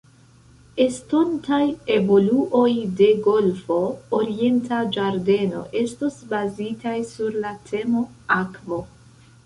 Estontaj evoluoj de Golfo Orienta Ĝardeno estos bazitaj sur la temo 'akvo'.